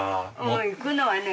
行くのはね